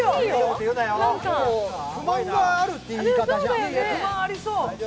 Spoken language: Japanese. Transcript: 不満があるっていう言い方じゃん。